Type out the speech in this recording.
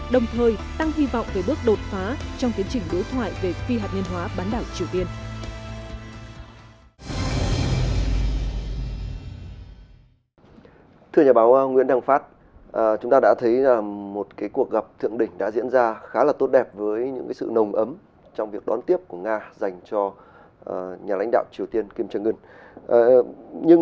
đồng thời tăng hy vọng về bước đột phá trong tiến trình đối thoại về phi hạt nhân hóa bán đảo triều tiên